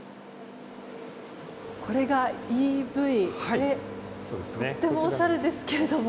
これがＥＶでとってもおしゃれですけれども